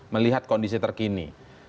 melihat kondisi terkini